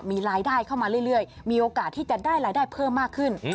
มีรายได้เข้ามาเรื่อยมีโอกาสที่จะได้รายได้เพิ่มมากขึ้น